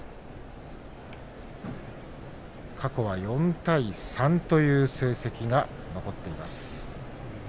過去は４対３という成績が残っています。